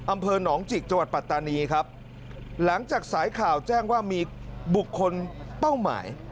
อำเภอหนองจิกจังหวัดปัตตานีครับหลังจากสายข่าวแจ้งว่ามีบุคคลเป้าหมาย